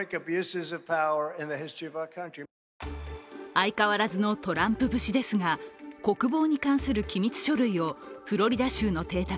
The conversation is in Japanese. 相変わらずのトランプ節ですが、国防に関する機密書類をフロリダ州の邸宅